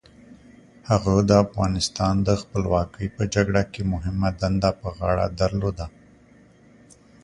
هغه د افغانستان د خپلواکۍ په جګړه کې مهمه دنده په غاړه درلوده.